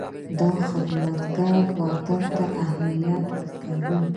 دا خدمتګر وخت ته اهمیت ورکوي.